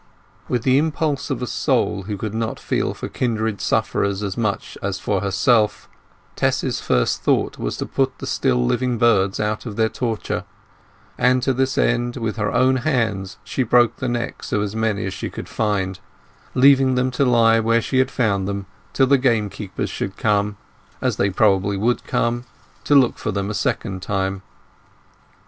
With the impulse of a soul who could feel for kindred sufferers as much as for herself, Tess's first thought was to put the still living birds out of their torture, and to this end with her own hands she broke the necks of as many as she could find, leaving them to lie where she had found them till the game keepers should come—as they probably would come—to look for them a second time.